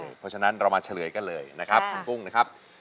เพราะฉะนั้นเรามาเฉลยกันเลยนะครับคุณกุ้งนะครับ